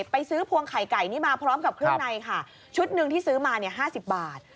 ไปซื้อพวงไข่ไก่นี่มาพร้อมกับเครื่องในค่ะชุดหนึ่งที่ซื้อมาเนี่ย๕๐บาท